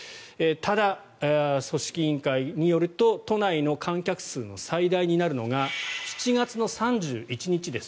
ただ、組織委員会によると都内の観客数、最大になるのが７月３１日です。